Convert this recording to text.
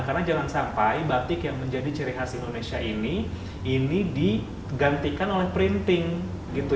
karena jangan sampai batik yang menjadi ciri khas indonesia ini ini digantikan oleh printing gitu